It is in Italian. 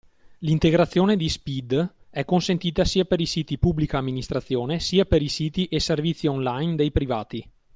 L’integrazione di SPID è consentita sia per i siti Pubblica Amministrazione, sia per i siti e servizi online dei privati.